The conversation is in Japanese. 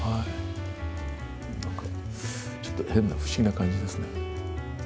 なんか、ちょっと変な、不思議な感じですね。